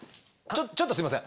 ちょっとすいません。